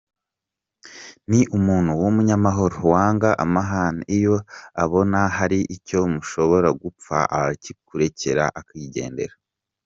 Ni umuntu w’umunyamahoro, wanga amahane, iyo abaona hari icyo mushobora gupfa arakikurekera akigendera.